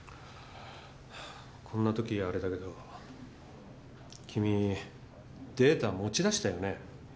こんなときあれだけど君データ持ち出したよね？